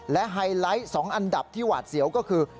และไฮไลท์๒อันดับที่หวาดเสียวก็คือ